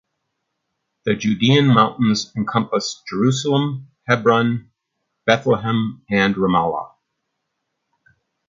The Judaean mountains encompass Jerusalem, Hebron, Bethlehem and Ramallah.